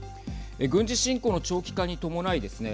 軍事侵攻の長期化に伴いですね